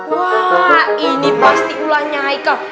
wah ini pasti ulahnya haikal